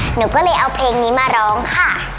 หนูก็เลยเอาเพลงนี้มาร้องค่ะ